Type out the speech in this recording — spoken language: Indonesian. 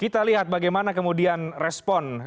kita lihat bagaimana kemudian respon